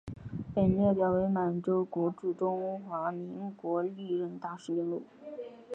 本列表为满洲国驻中华民国历任大使名录。